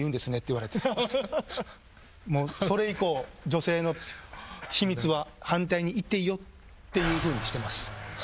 もうそれ以降女性の秘密は反対に言っていいよっていうふうにしてます。